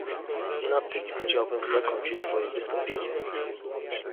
Na tym chciałbym zakończyć swoje wystąpienie